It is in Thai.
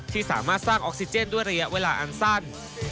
ที่สามารถสร้างออกซิเจนด้วยระยะเวลาอันสั้น